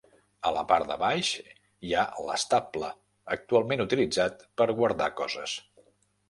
A la part de baix hi ha l'estable, actualment utilitzat per guardar coses.